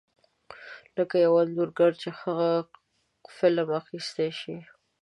لکه یو انځورګر چې ښه فلم اخیستی شي.